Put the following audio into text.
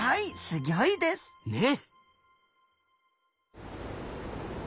すぎょいです。ね！